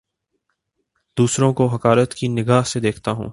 دوسروں کو حقارت کی نگاہ سے دیکھتا ہوں